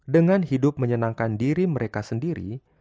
dengan hidup menyenangkan diri mereka sendiri